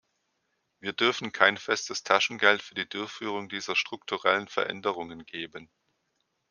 Wir dürfen kein festes Taschengeld für die Durchführung dieser strukturellen Veränderungen geben.